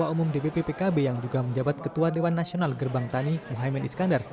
ketua umum dpp pkb yang juga menjabat ketua dewan nasional gerbang tani muhaymin iskandar